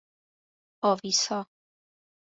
آویسا